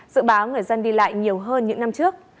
dự báo người dân đi lại nhiều hơn những năm trước